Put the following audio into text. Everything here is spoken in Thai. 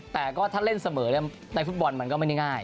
แต่ก็ถ้าเล่นเสมอในฟุตบอลมันก็ไม่ได้ง่าย